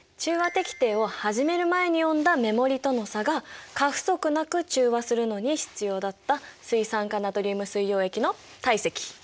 滴定を始める前に読んだ目盛りとの差が過不足なく中和するのに必要だった水酸化ナトリウム水溶液の体積。